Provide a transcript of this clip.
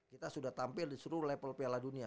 kita sudah tampil di seluruh level piala dunia